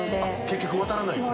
結局渡らないの？